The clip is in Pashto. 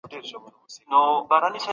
له منفي خلکو لرې اوسئ.